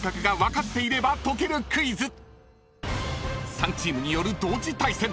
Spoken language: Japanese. ［３チームによる同時対戦］